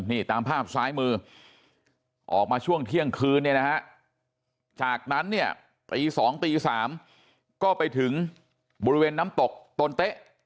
นี่ตามภาพซ้ายมือออกมาช่วงเที่ยงคืนเนี่ยนะฮะจากนั้นเนี่ยตี๒ตี๓ก็ไปถึงบริเวณน้ำตกตนเต๊ะ